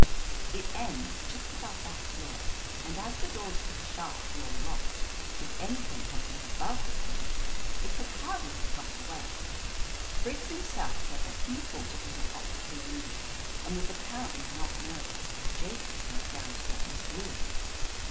It ends just above that floor, and as the doors to the shaft were all locked, if any thing had been above the cage, it could hardly have got away. Briggs himself said that he 142 OF LETITIA CARBERRY thought it was an optical illusion, and was ap parently not nervous when Jacobs went down to get Miss Lewis.